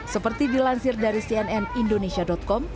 seperti dilansir dari cnn indonesia com